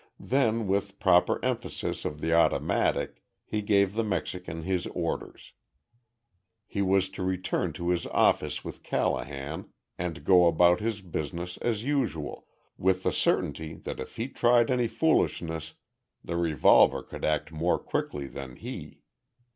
Then, with proper emphasis of the automatic, he gave the Mexican his orders. He was to return to his office with Callahan and go about his business as usual, with the certainty that if he tried any foolishness the revolver could act more quickly than he.